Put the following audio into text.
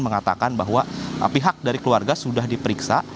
mengatakan bahwa pihak dari keluarga sudah diperiksa